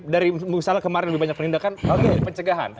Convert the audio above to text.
dari misalnya kemarin lebih banyak perlindakan pencegahan